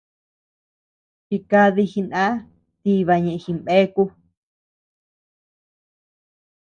Jikadi jiná tiba ñeʼe jinbeaku.